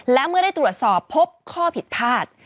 และเมื่อได้ตรวจสอบพบข้อผิดพลาด